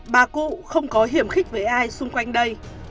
bà cụ không có hiểm khích với ai xung quanh đây